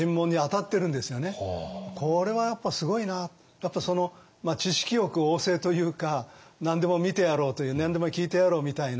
やっぱその知識欲旺盛というか何でも見てやろうという何でも聞いてやろうみたいな